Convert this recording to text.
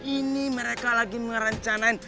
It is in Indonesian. ini mereka lagi merencanain